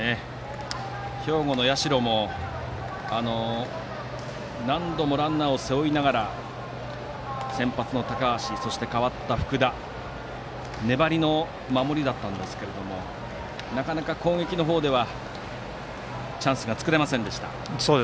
兵庫の社も何度もランナーを背負いながら、先発の高橋そして代わった福田と粘りの守りだったんですけどもなかなか攻撃の方ではチャンスを作れませんでした。